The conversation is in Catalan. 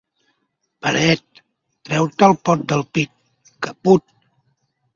Peret, treu-te el pot del pit, que put.